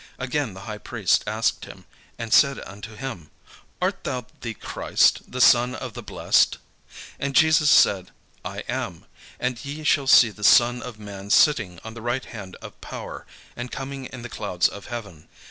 Again the high priest asked him, and said unto him: "Art thou the Christ, the Son of the Blessed?" And Jesus said, "I am: and ye shall see the Son of man sitting on the right hand of power, and coming in the clouds of heaven."